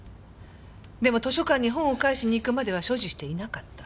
でも図書館に本を返しに行くまでは所持していなかった。